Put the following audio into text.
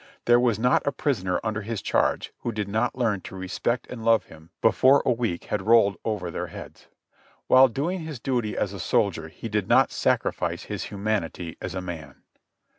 There was not a prisoner under his charge who did not learn to respect and love him before a week had rolled over their heads. While doing his duty as a soldier he did not sacrifice his humanity as a man.